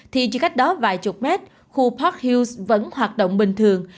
thì chỉ cách đó vài chục mét khu park hul vẫn hoạt động bình thường